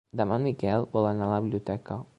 Demà en Miquel vol anar a la biblioteca.